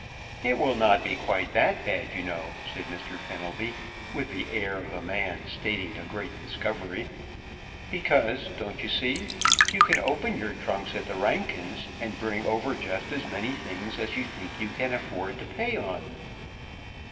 "It will not be quite that bad, you know," said Mr. Fenelby, with the air of a man stating a great discovery, "because, don't you see, you can open your trunks at the Rankins', and bring over just as many things as you think you can afford to pay on."